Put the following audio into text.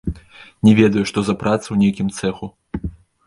Не ведаю, што за праца, у нейкім цэху.